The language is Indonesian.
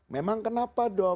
memang kenapa dok